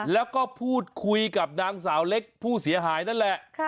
แล้วก็พูดคุยกับนางสาวเล็กผู้เสียหายนั่นแหละ